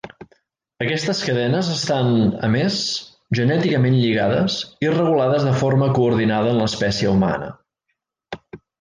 Aquestes cadenes estan, a més, genèticament lligades i regulades de forma coordinada en l'espècie humana.